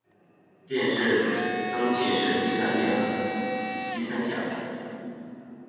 殿试登进士第三甲第三名。